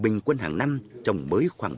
bình quân hàng năm trồng mới khoảng bảy trăm linh địa